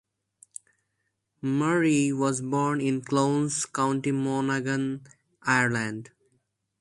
Murray was born in Clones, County Monaghan, Ireland.